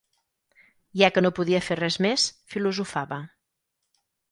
Ja que no podia fer res més, filosofava